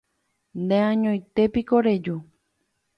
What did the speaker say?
Neañóntepiko reju